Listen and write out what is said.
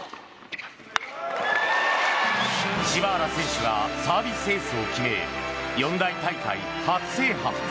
柴原選手がサービスエースを決め四大大会初制覇。